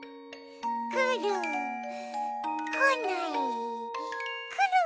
くるこないくる！